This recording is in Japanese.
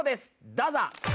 どうぞ！